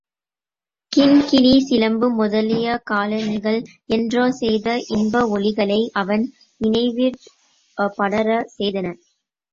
கிண் கிணிச் சிலம்பு முதலிய காலணிகள் என்றோ செய்த இன்ப ஒலிகளை அவன் நினைவிற் படரச் செய்தன.